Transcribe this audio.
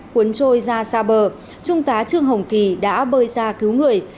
cuốn trôi ra xa bờ trung tá trương hồng kỳ đã bơi ra cứu người